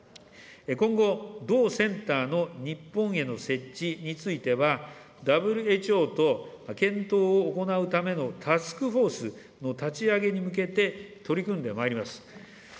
今後、同センターの日本への設置については、ＷＨＯと検討を行うためのタスクフォースの立ち上げに向けて、取り組んでまいります。